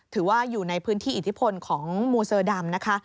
ถือว่าอยู่ในพื้นที่อิทธิพลของมูเซอร์ดำนะคะ